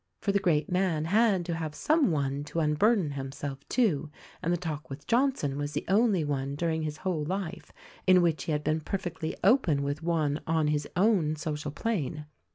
For the great man had to have some one to unburden himself to, and the talk with Johnson was the only one during his whole life in which he had been perfectly open with one on his own social plane.